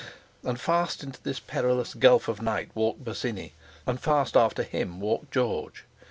And fast into this perilous gulf of night walked Bosinney, and fast after him walked George.